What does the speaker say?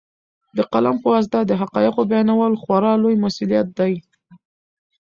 د قلم په واسطه د حقایقو بیانول خورا لوی مسوولیت دی.